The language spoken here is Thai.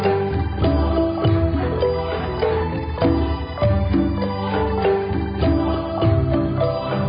ที่สุดท้ายที่สุดท้ายที่สุดท้าย